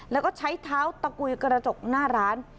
แล้วก็ใช้เท้าตะกุยกระจกหน้าร้าน